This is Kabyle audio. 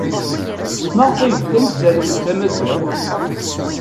Maɣef ay bdant zerrwent tamaziɣt?